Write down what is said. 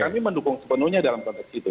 kami mendukung sepenuhnya dalam konteks itu